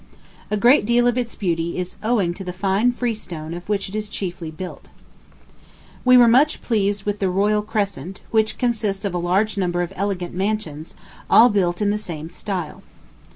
A great deal of its beauty is owing to the fine freestone of which it is chiefly built. We were much pleased with the Royal Crescent, which consists of a large number of elegant mansions, all built in the same style.